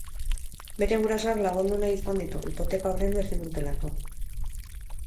Bere gurasoak lagundu nahi izan ditu, hipoteka ordaindu ezin dutelako.